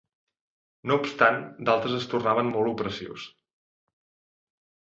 No obstant d'altres es tornaven molt opressius.